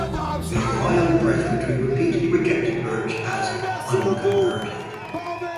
The Ohio Presbytery repeatedly rejected Birch as "unconverted".